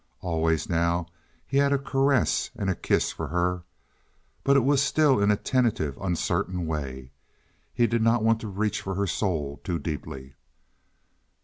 Always now he had a caress and a kiss for her, but it was still in a tentative, uncertain way. He did not want to reach for her soul too deeply.